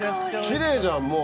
きれいじゃんもう。